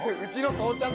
兄ちゃん！